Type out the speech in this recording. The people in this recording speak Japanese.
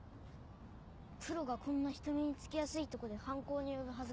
プロがこんな人目に付きやすいとこで犯行に及ぶはずがない。